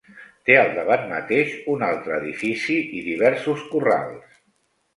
Té al davant mateix un altre edifici i diversos corrals.